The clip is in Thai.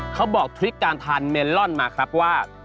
เขาบอกทริคการทานเมลอนมาครับว่า